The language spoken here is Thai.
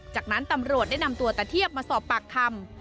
จากนั้นตำรวจได้นำตัวตะเทียบมาสอบปากคำ